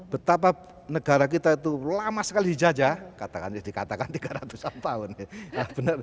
betapa negara kita itu lama sekali dijajah katakan tiga ratus an tahun